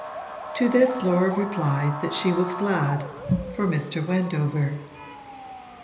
To this Laura replied that she was glad for Mr. Wendover.